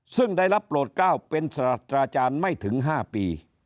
ซึ่งได้รับโปรดก้าวเป็นสรัตราจารย์ไม่ถึง๕ปี